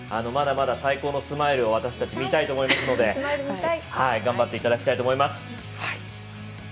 まだまだ最高のスマイルを私たち見たいと思いますので頑張っていただきたいと思います。